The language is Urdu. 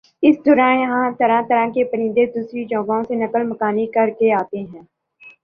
اس دوران یہاں طرح طرح کے پرندے دوسری جگہوں سے نقل مکانی کرکے آتے ہیں